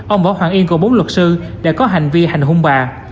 ông võ hoàng yên cùng bốn luật sư đã có hành vi hành hung bà